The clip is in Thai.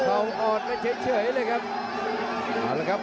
เขาออดเฉยเลยครับ